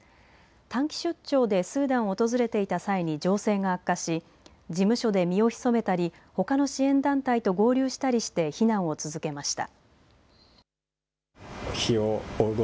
短期出張でスーダンを訪れていた際に情勢が悪化し事務所で身を潜めたりほかの支援団体と合流したりして避難を続けました。